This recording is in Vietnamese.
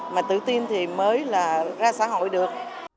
mà tự tin thì mới là ra xã hội được